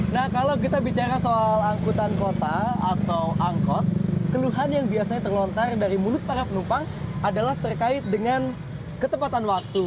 nah kalau kita bicara soal angkutan kota atau angkot keluhan yang biasanya terlontar dari mulut para penumpang adalah terkait dengan ketepatan waktu